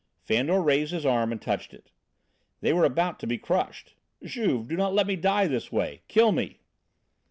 Fandor raised his arm and touched it. They were about to be crushed. "Juve, do not let me die this way. Kill me!"